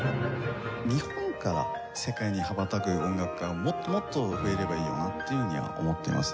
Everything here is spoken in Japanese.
日本から世界に羽ばたく音楽家がもっともっと増えればいいよなっていうふうには思っていますね。